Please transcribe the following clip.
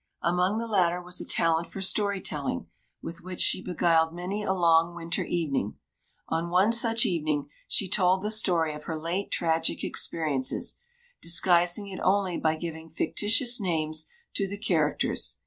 Among the latter was a talent for story telling, with which she beguiled many a long, winter evening. On one such evening she told the story of her late tragic experiences, disguising it only by giving fictitious names to the characters.